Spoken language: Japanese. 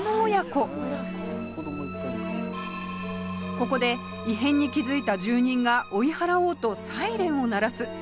ここで異変に気づいた住人が追い払おうとサイレンを鳴らす